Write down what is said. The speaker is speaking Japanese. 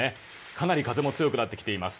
かなり風も強くなってきています。